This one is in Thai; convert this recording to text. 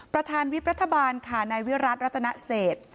ประธานวิบรัฐบาลค่ะนายวิรัติรัตนเศษ